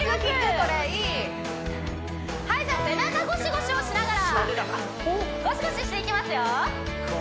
これいいはいじゃあ背中ゴシゴシをしながらゴシゴシしていきますよ